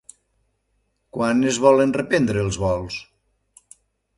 Quan es volen reprendre els vols?